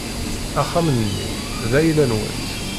Axxam-nni d ayla-nwent.